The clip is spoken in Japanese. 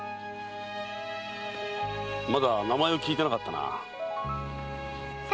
まだ名前を聞いてなかったなあ。